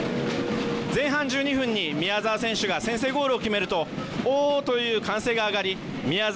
前半１２分に宮澤選手が先制ゴールを決めるとおおー！という歓声が上がり宮澤！